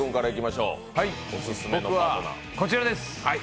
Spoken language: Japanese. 僕はこちらです。